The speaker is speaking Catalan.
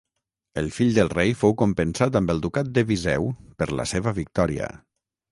El fill del rei fou compensat amb el ducat de Viseu per la seva victòria.